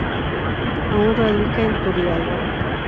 Aun radica en Turrialba.